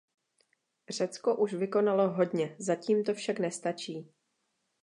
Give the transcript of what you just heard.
Řecko už vykonalo hodně, zatím to však nestačí.